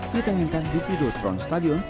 ditanyakan di video tron stadion